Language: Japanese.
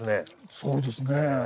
そうですねぇ。